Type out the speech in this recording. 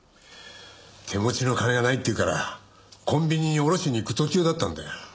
手持ちの金がないって言うからコンビニに下ろしに行く途中だったんだよ。